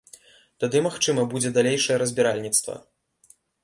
Тады, магчыма, будзе далейшае разбіральніцтва.